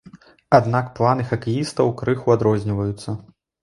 Аднак планы хакеістаў крыху адрозніваюцца.